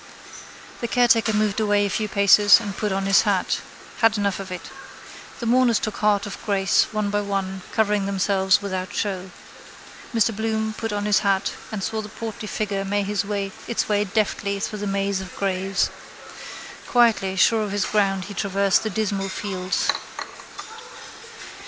The caretaker moved away a few paces and put on his hat. Had enough of it. The mourners took heart of grace, one by one, covering themselves without show. Mr Bloom put on his hat and saw the portly figure make its way deftly through the maze of graves. Quietly, sure of his ground, he traversed the dismal fields.